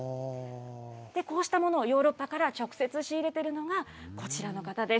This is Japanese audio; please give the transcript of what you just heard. こうしたものをヨーロッパから直接仕入れているのが、こちらの方です。